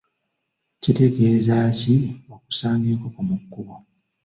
Kitegeeza ki okusanga enkoko mu kkubo?